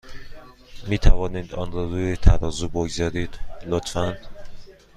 می توانید آن را روی ترازو بگذارید، لطفا؟